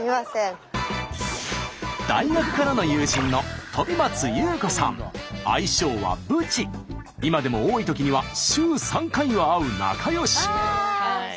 大学からの友人の今でも多いときには週３回は会う仲よし。